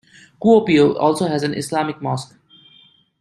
Kuopio also has an Islamic mosque.